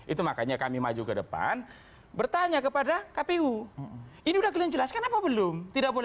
itu makanya kami maju ke depan bertanya kepada kpu ini udah kalian jelaskan apa belum tidak boleh